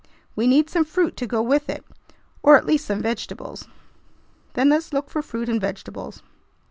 "We need some fruit to go with it, or at least some vegetables." "Then let's look for fruit and vegetables."